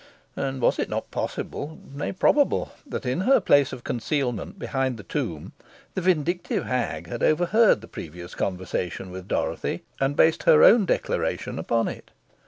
And was it not possible, nay, probable, that, in her place of concealment behind the tomb, the vindictive hag had overheard the previous conversation with Dorothy, and based her own declaration upon it?